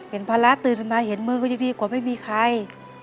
เป็นภาระตื่นใหม่เห็นมือก๋วอย่างดีกว่าไม่มีใคร